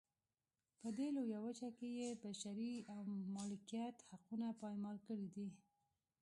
په دې لویه وچه کې یې بشري او مالکیت حقونه پایمال کړي دي.